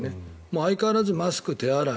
相変わらずマスク、手洗い。